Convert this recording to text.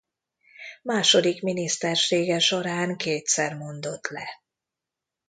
Második minisztersége során kétszer mondott le.